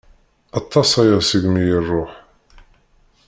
Aṭas aya segmi i iruḥ.